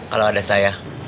kalau ada saya